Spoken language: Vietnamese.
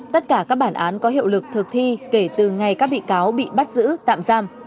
tất cả các bản án có hiệu lực thực thi kể từ ngày các bị cáo bị bắt giữ tạm giam